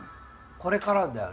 これからだよね。